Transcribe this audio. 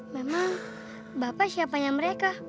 memang bapak siapanya mereka